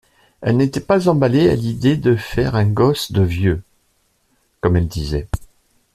elle n’était pas emballée à l’idée de faire un gosse de vieux, comme elle disait.